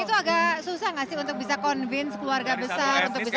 itu agak susah nggak sih untuk bisa convince keluarga besar untuk bisa